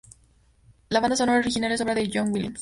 La banda sonora original es obra de John Williams.